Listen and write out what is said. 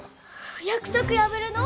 約束破るの？